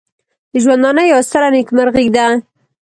د ژوندانه یوه ستره نېکمرغي ده.